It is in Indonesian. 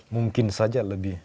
mungkin saja lebih